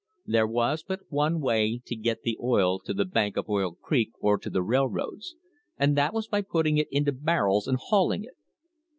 There was but one way to get the oil to the bank of Oil Creek or to the railroads, and that was by putting it into barrels and hauling it.